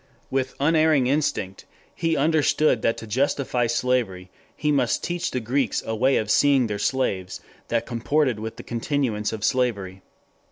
With unerring instinct he understood that to justify slavery he must teach the Greeks a way of seeing their slaves that comported with the continuance of slavery.